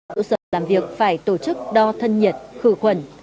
và tổ sở làm việc phải tổ chức đo thân nhiệt khử khuẩn